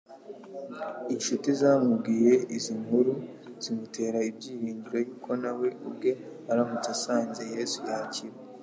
Inshuti zamubwiye izo nkuru, zimutera ibyiringiro yuko na we ubwe aramutse asanze Yesu yakira.